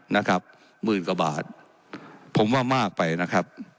นะครับหมื่นกว่าบาทผมว่ามากไปนะครับ